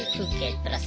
プラス